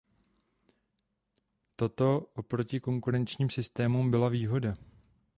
Toto oproti konkurenčním systémům byla výhoda.